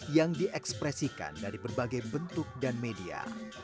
yang diekspresikan dari berbagai bentuk dan media